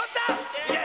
いけ！